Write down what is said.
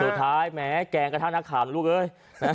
สุดท้ายแม้แกล้งกระทั่งนักข่าวลูกเอ้ย